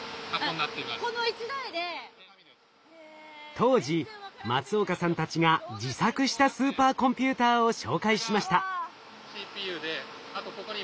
当時松岡さんたちが自作したスーパーコンピューターを紹介しました。